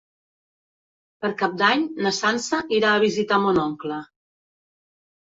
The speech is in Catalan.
Per Cap d'Any na Sança irà a visitar mon oncle.